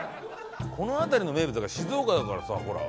この辺りの名物だから静岡だからさほら。